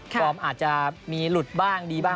ฟอร์มอาจจะมีหลุดบ้างดีบ้าง